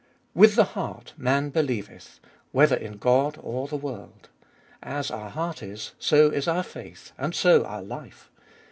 With the heart man believeth, whether in God or the world. As our heart is, so is our faith, and so our life.